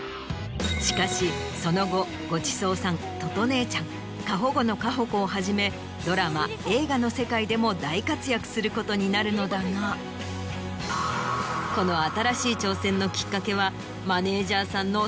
しかしその後『ごちそうさん』『とと姉ちゃん』『過保護のカホコ』をはじめドラマ映画の世界でも大活躍することになるのだがこの新しい挑戦のきっかけは。